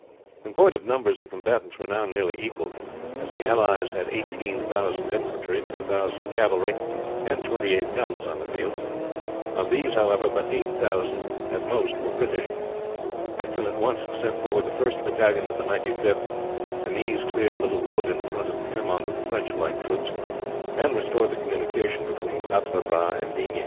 In point of numbers the combatants were now nearly equal, as the allies had eighteen thousand infantry, two thousand cavalry, and twenty eight guns on the field. Of these, however, but eight thousand at most were British. Picton at once sent forward the first battalion of the Ninety fifth, and these cleared a little wood in the front of Piermont of the French light troops, and restored the communication between Quatre Bras and Ligny.